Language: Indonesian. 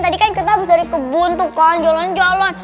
tadi kan kita habis dari kebun tuh kan jalan jalan